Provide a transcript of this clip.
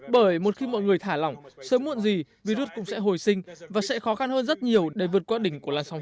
bởi một khi mọi người thả lỏng sớm muộn gì virus cũng sẽ hồi sinh và sẽ khó khăn hơn rất nhiều để vượt qua đỉnh của làn sóng